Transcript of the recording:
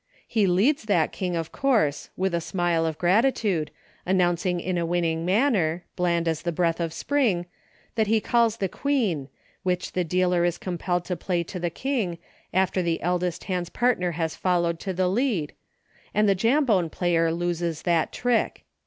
He leads that King, of course, with a smile of gratitude, announcing in a winning manner — bland as the breath of spring — that he calls the Queen, which the dealer is compelled to play to the King after the eldest hand's partner has fol lowed to the lead, and the Jambone player loses that trick.